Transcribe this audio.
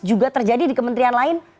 juga terjadi di kementerian lain